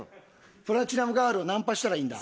プラチナムガールをナンパしたらいいんだ。